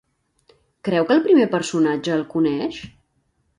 Creu que el primer personatge el coneix?